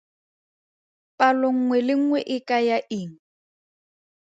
Palo nngwe le nngwe e kaya eng?